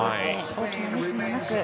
大きなミスもなく。